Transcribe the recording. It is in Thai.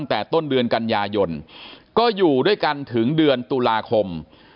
ตั้งแต่ต้นเดือนกันยายนก็อยู่ด้วยกันถึงเดือนตุลาคม